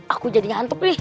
aku jadi nyantuk nih